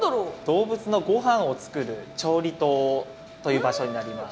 動物のごはんを作る調理棟という場所になります。